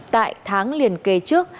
tại tháng liền kề trước